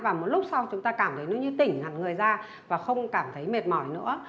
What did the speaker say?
và một lúc sau chúng ta cảm thấy nó như tỉnh hẳn người ra và không cảm thấy mệt mỏi nữa